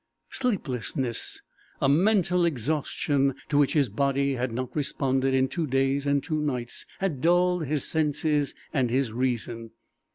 Sleeplessness a mental exhaustion to which his body had not responded in two days and two nights had dulled his senses and his reason.